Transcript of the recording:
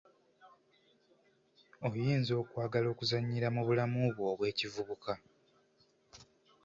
Oyinza okwagala okuzannyira mu bulamu bwo obw'ekivubuka.